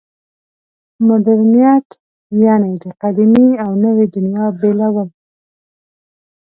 مډرنیت یعنې د قدیمې او نوې دنیا بېلول.